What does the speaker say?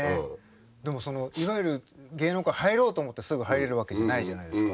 でもいわゆる芸能界入ろうと思ってすぐ入れるわけじゃないじゃないですか。